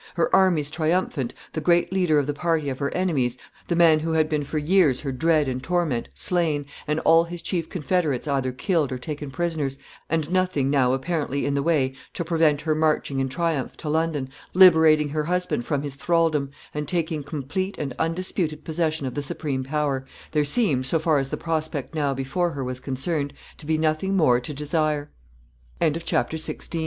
Her armies triumphant, the great leader of the party of her enemies, the man who had been for years her dread and torment, slain, and all his chief confederates either killed or taken prisoners, and nothing now apparently in the way to prevent her marching in triumph to London, liberating her husband from his thraldom, and taking complete and undisputed possession of the supreme power, there seemed, so far as the pro